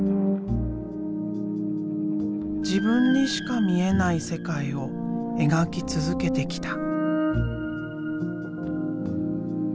自分にしか見えない世界を描き続けてきた。